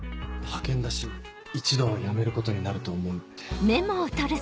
派遣だし一度は辞めることになると思うって。